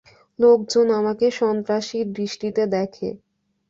লোকজন আমাকে সন্ত্রাসীর দৃষ্টিতে দেখে।